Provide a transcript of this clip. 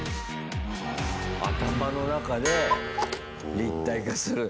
頭の中で立体化する。